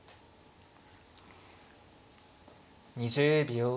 ２０秒。